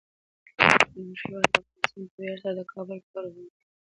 زموږ هیواد افغانستان په ویاړ سره د کابل کوربه دی.